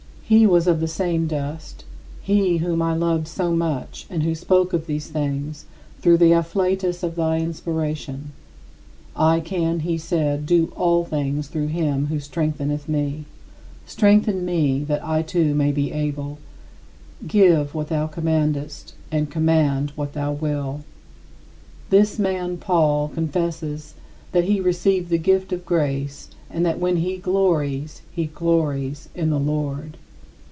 He was of the same dust he whom I loved so much and who spoke of these things through the afflatus of thy inspiration: "I can," he said, "do all things through him who strengtheneth me." Strengthen me, that I too may be able. Give what thou commandest, and command what thou wilt. This man [Paul] confesses that he received the gift of grace and that, when he glories, he glories in the Lord.